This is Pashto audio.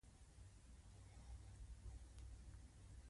هلک په بيړه وويل: